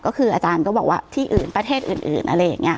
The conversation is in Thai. ก็คืออาจารย์ก็บอกว่าที่อื่นประเทศอื่นอะไรอย่างนี้